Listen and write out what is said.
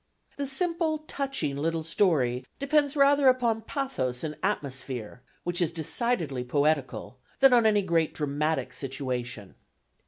The simple touching little story depends rather upon its pathos and atmosphere, which is decidedly poetical, than on any great dramatic situation.